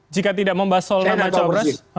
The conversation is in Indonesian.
jika tidak membahas soal nama cawapres